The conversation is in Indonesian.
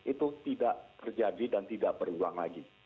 itu tidak terjadi dan tidak berulang lagi